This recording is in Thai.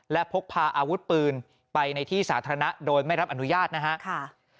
และพกพาอาวุธปืนไปในที่สาธารณะโดยไม่รับอนุญาตนะครับ